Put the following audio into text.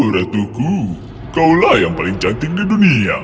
ratu ku kaulah yang paling cantik di dunia